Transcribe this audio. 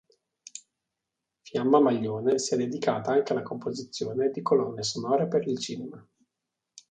Fiamma Maglione si è dedicata anche alla composizione di colonne sonore per il cinema.